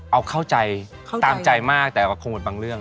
เอาเข้าใจตามใจมากแต่ว่าคงหมดบางเรื่อง